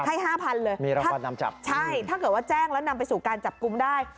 ห้าพันเลยมีรางวัลนำจับใช่ถ้าเกิดว่าแจ้งแล้วนำไปสู่การจับกลุ่มได้